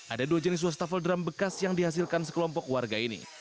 ada dua jenis wastafel drum bekas yang dihasilkan sekelompok warga ini